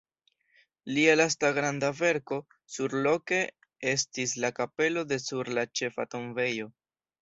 Lia lasta granda verko surloke estis la kapelo de sur la ĉefa tombejo.